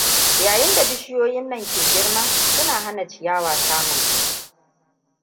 Yayin da bishiyoyin nan ke girma, suna hana ciyawa samun haske.